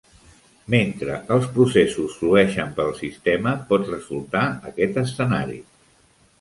Mentre els processos flueixen pel sistema, pot resultar aquest escenari.